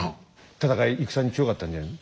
戦い戦に強かったんじゃないの？